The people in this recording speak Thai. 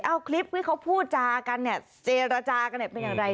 เอาคลิปที่เขาพูดจากันเนี่ยเจรจากันเนี่ยเป็นอย่างไร